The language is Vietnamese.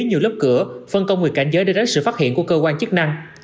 nhiều lớp cửa phân công người cảnh giới để tránh sự phát hiện của cơ quan chức năng